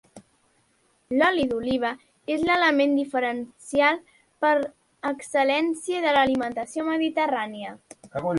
L'oli d'oliva és l'element diferencial per excel·lència de l'alimentació mediterrània.